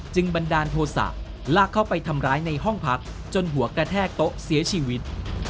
บันดาลโทษะลากเข้าไปทำร้ายในห้องพักจนหัวกระแทกโต๊ะเสียชีวิต